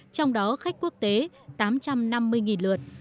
trong đó khách quốc tế tám trăm năm mươi lượt